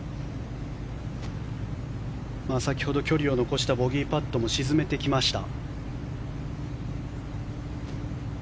先ほど距離を残したボギーパットも沈めてきました。